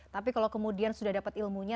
tapi kalau kemudian sudah dapat ilmunya